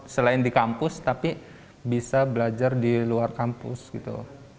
selain di kampus tapi bisa belajar di luar kampus gitu